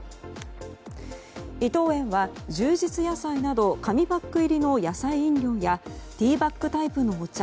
伊藤園は、充実野菜など紙パック入りの野菜飲料やティーバッグタイプのお茶